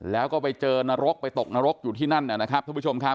แล้วก็ไปเจอนรกไปตกนรกอยู่ที่นั่นนะครับท่านผู้ชมครับ